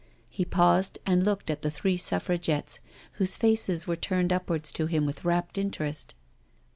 He paused and looked at the three Suffragettes whose faces were turned upwards to him with wrapt interest.